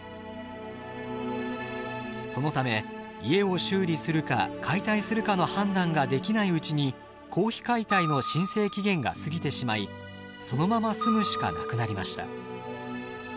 そのため家を修理するか解体するかの判断ができないうちに公費解体の申請期限が過ぎてしまいそのまま住むしかなくなりました。